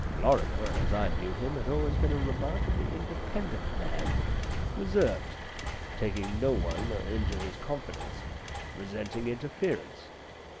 Lorrimer, as I knew him, had always been a remarkably independent man, reserved, taking no one into his confidence, resenting interference.